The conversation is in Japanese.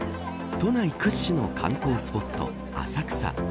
都内屈指の観光スポット浅草。